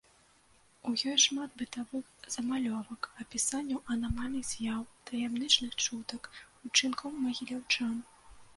У ёй шмат бытавых замалёвак, апісанняў анамальных з'яў, таямнічых чутак, учынкаў магіляўчан.